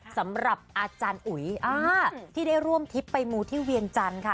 สำหรับอาจารย์อุ๋ยที่ได้ร่วมทิพย์ไปมูที่เวียงจันทร์ค่ะ